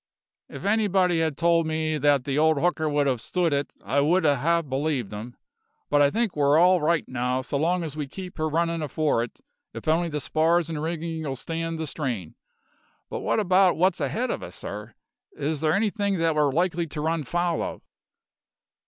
If anybody had told me that the old hooker would have stood it, I wouldn't ha' believed 'em. But I think we're all right now, so long as we can keep her runnin' afore it, if only the spars and riggin' 'll stand the strain. But what about what's ahead of us, sir? Is there anything that we're likely to run foul of?"